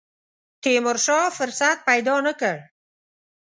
تیمورشاه فرصت پیدا نه کړ.